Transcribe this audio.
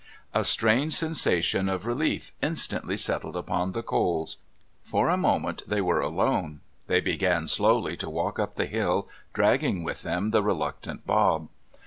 A strange sensation of relief instantly settled upon the Coles. For a moment they were alone; they began slowly to walk up the hill, dragging with them the reluctant Bob.